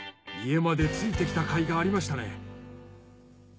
家までついてきたかいがありましたね。